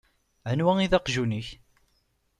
Anwa i d aqjun-ik?